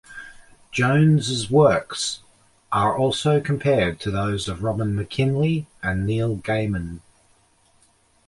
Jones' works are also compared to those of Robin McKinley and Neil Gaiman.